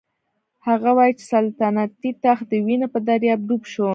هغه وايي چې سلطنتي تخت د وینو په دریاب ډوب شو.